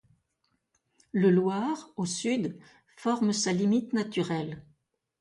Le Loir, au sud, forme sa limite naturelle.